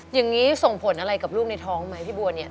อย่างนี้ส่งผลอะไรกับลูกในท้องไหมพี่บัวเนี่ย